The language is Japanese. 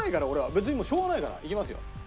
別にもうしょうがないから。いきますよ。